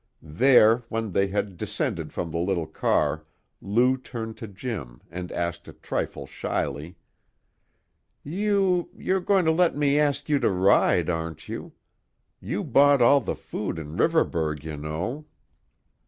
There, when they had descended from the little car Lou turned to Jim and asked a trifle shyly: "You you're goin' to let me ask you to ride, aren't you? You bought all the food in Riverburgh, you know."